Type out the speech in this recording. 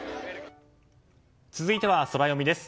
続いてはソラよみです。